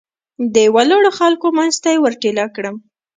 د ولاړو خلکو منځ ته یې ور ټېله کړم.